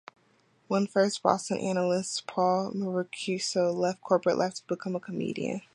One First Boston analyst Paul Mecurio left corporate life to become a comedian.